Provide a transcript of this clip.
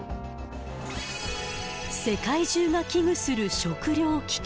世界中が危惧する食料危機。